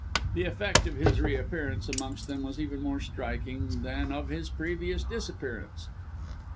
The effect of his reappearance amongst them was even more striking than that of his previous disappearance.